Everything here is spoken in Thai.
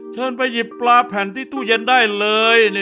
เชิญไปหยิบปลาแผ่นที่ตู้เย็นได้เลย